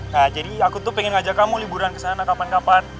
nah jadi aku tuh pengen ngajak kamu liburan kesana kapan kapan